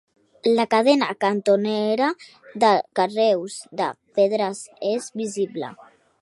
La cadena cantonera de carreus de pedres és visible.